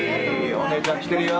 お姉ちゃん来てるよ。